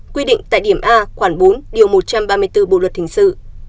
quy định tại điểm a khoảng bốn điều một trăm ba mươi bốn bộ luật hình sự